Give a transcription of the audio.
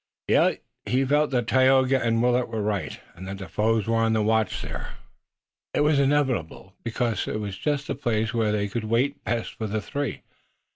Yet he felt that Tayoga and Willet were right and that foes were on watch there. It was inevitable, because it was just the place where they could wait best for the three.